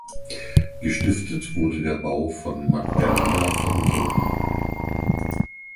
Gestiftet wurde der Bau von Magdalena von Würben.